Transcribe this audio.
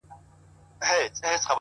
د زيارتـونو يې خورده ماتـه كـړه؛